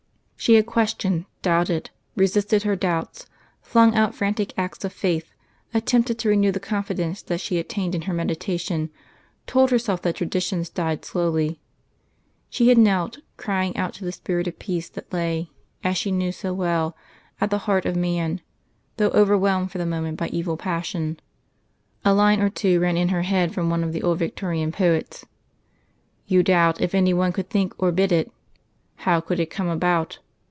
She had questioned, doubted, resisted her doubts, flung out frantic acts of faith, attempted to renew the confidence that she attained in her meditation, told herself that traditions died slowly; she had knelt, crying out to the spirit of peace that lay, as she knew so well, at the heart of man, though overwhelmed for the moment by evil passion. A line or two ran in her head from one of the old Victorian poets: You doubt If any one Could think or bid it? How could it come about?...